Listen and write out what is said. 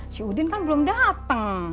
si udin kan belum datang